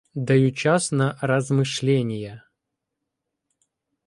— Даю час на размишлєнія.